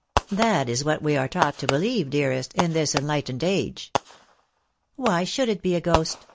"That is what we are taught to believe, dearest, in this enlightened age." "Why should it be a ghost?"